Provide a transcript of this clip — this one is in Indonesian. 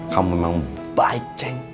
kamu emang baik